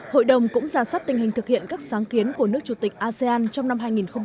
hội đồng cũng giả soát tình hình thực hiện các sáng kiến của nước chủ tịch asean trong năm hai nghìn một mươi chín